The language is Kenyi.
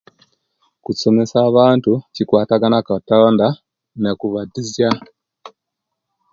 Kusomesa abantu kikuwatagana katonda no kubatiza